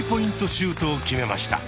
シュートを決めました。